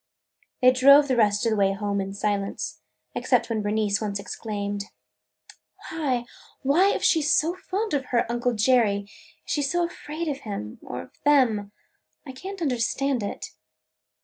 They drove the rest of the way home in silence, except when Bernice once exclaimed: "Why – why if she 's so fond of her uncle Jerry, is she so afraid of him – or of them? I can't understand it!"